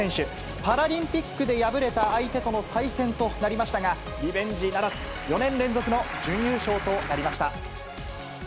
パラリンピックで敗れた相手との再戦となりましたが、リベンジならず、４年連続の準優勝となりました。